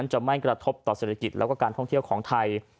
จะไม่กระทบต่อเศรษฐกิจแล้วก็การท่องเที่ยวของไทย